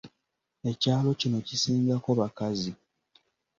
Ekyalo kino kisingako bakazi!